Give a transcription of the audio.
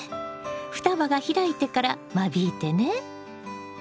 双葉が開いてから間引いてね。